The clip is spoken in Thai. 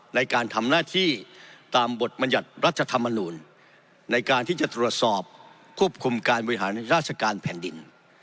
ในการทำหน้าที่ตามบทบัญญัติรัฐธรรมนูลในการที่จะตรวจสอบควบคุมการบริหารราชการแผ่นดิน